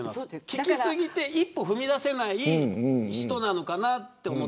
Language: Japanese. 聞き過ぎて、一歩踏み出せない人なのかなと。